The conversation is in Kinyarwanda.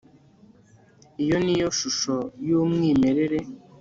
iyo niyo shusho yumwimerere